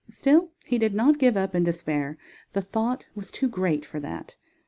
Still he did not give up in despair. The thought was too great for that.